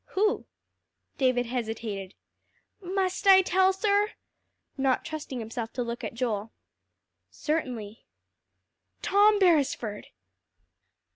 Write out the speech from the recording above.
"Who?" David hesitated. "Must I tell, sir?" not trusting himself to look at Joel. "Certainly." "Tom Beresford."